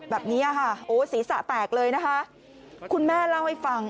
แบบนี้ค่ะโอ้ศีรษะแตกเลยนะคะคุณแม่เล่าให้ฟัง